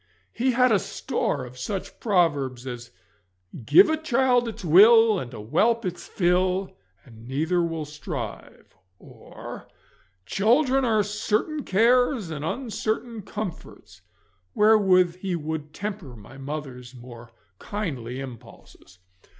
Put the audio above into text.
He bad a store of such proverbs as 'Give a child its will and a whelp its fill, and neither will strive,' or 'Children are certain cares and uncertain comforts,' wherewith he would temper my mother's more kindly impulses.